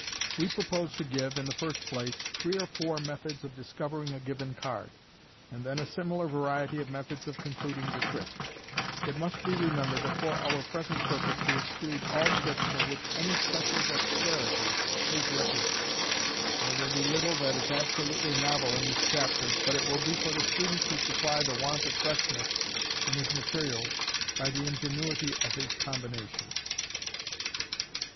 We propose to give, in the first place, three or four methods of discovering a given card, and then a similar variety of methods of concluding the trick. It must be remembered that for our present purpose we exclude all tricks for which any special dexterity is requisite. There will be little that is absolutely novel in this chapter, but it will be for the student to supply the want of freshness in his materials by the ingenuity of his combinations.